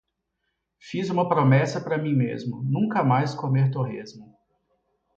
Fiz uma promessa para mim mesmo, nunca mais comer torresmo.